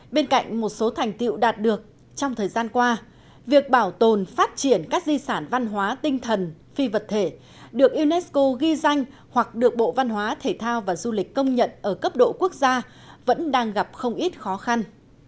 bên cạnh một số thành tiệu đạt được trong thời gian qua việc bảo tồn phát triển các di sản văn hóa tinh thần phi vật thể được unesco ghi danh hoặc được bộ văn hóa thể thao và du lịch công nhận ở cấp độ quốc gia vẫn đang gặp không ít khó khăn